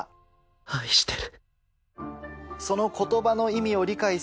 愛してる。